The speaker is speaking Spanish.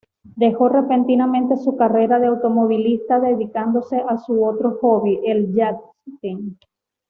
Dejó repentinamente su carrera de automovilista, dedicándose a su otro hobby: el yachting.